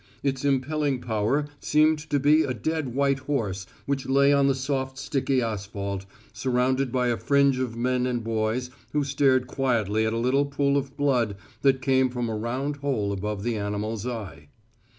Its impelling power seemed to be a dead white horse which lay on the soft sticky asphalt, surrounded by a fringe of men and boys who stared quietly at a little pool of blood that came from a round hole above the animal's eye.